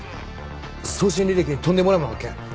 送信履歴にとんでもないもの発見！